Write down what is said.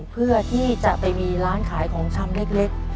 เพื่อที่จะไปมีร้านขายของชำเล็ก